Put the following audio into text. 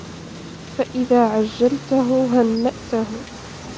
فَإِذَا عَجَّلْتَهُ هَنَّأْتَهُ